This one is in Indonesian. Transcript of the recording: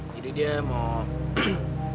jadi dia mau